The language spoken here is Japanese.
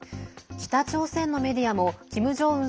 北朝鮮のメディアもキム・ジョンウン